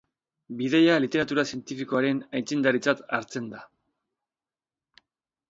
Bidaia literatura zientifikoaren aitzindaritzat hartzen da.